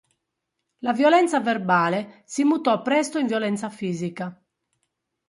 La violenza verbale si mutò presto in violenza fisica.